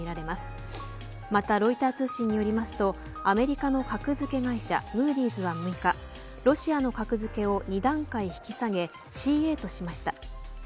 またロイター通信によりますとアメリカの格付け会社ムーディーズは６日ロシアの格付けを２段階引き下げＣａとしました。